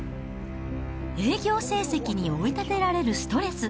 営業成績に追い立てられるストレス。